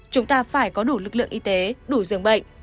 chúng ta phải có đủ lực lượng y tế đủ dường bệnh